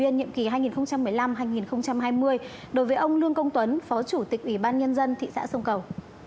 nhiệm kỳ hai nghìn một mươi năm hai nghìn hai mươi đối với ông lương công tuấn phó chủ tịch ủy ban nhân dân thị xã sông cầu